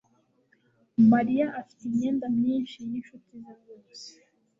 Mariya afite imyenda myinshi yinshuti ze zose.